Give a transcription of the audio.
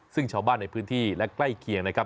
ซึ่งชาวบ้านในพื้นที่และใกล้เคียงนะครับ